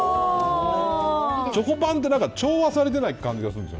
チョコパンって調和されてない感じがするんですよ。